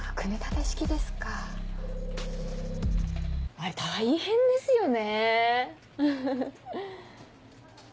あれ大変ですよねウフフ。